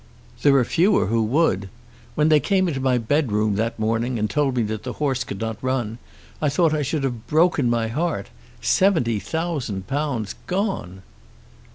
"There are fewer who would. When they came into my bedroom that morning and told me that the horse could not run, I thought I should have broken my heart. Seventy thousand pounds gone!"